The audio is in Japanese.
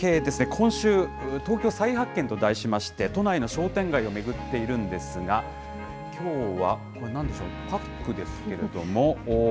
今週、東京再発見と題しまして、都内の商店街を巡っているんですが、きょうは、これ、なんでしょう、パックですけれども。